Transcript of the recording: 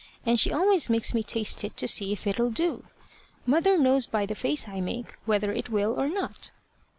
And she always makes me taste it to see if it'll do. Mother knows by the face I make whether it will or not."